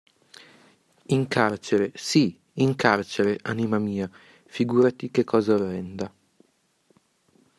In carcere, sì, in carcere, anima mia, figurati che cosa orrenda.